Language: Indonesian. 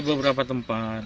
di beberapa tempat